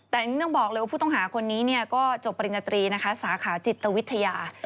แต่ต้องบอกเลยว่าผู้ต้องหาคนนี้ก็จบปริญญาตรีนะคะสาขาจิตวิทยา